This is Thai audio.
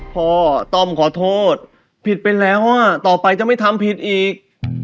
ต้อมขอโทษผิดไปแล้วต่อไปจะไม่ทำผิดอีก